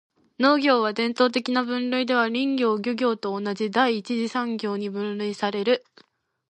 農業は、伝統的な分類では林業・漁業と同じ第一次産業に分類される。